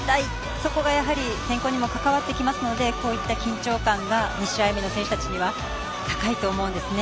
そこがやはり選考にも関わってきますのでこういった緊張感が２試合目の選手たちは高いと思うんですよね。